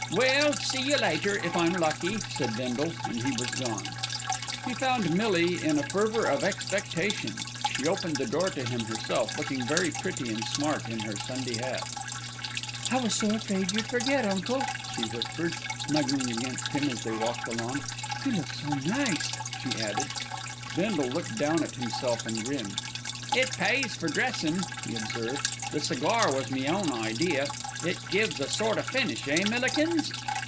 "Well, see you later, if I'm lucky," said Bindle, and he was gone. He found Millie in a fever of expectation. She opened the door to him herself, looking very pretty and smart in her Sunday hat. "I was so afraid you'd forget, uncle," she whispered, snuggling against him as they walked along. "You look so nice," she added. Bindle looked down at himself and grinned. "I pays for dressin'," he observed. "The cigar was me own idea. It gives a sort o' finish, eh, Millikins?"